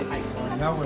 名古屋。